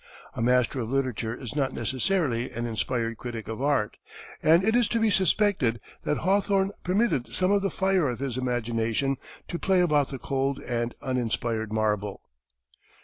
A master of literature is not necessarily an inspired critic of art, and it is to be suspected that Hawthorne permitted some of the fire of his imagination to play about the cold and uninspired marble.